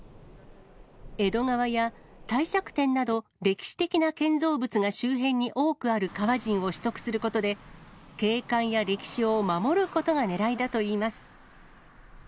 江戸川や帝釈天など、歴史的な建造物が周辺に多くある川甚を取得することで、景観や歴史を守ることがねらいだといいます。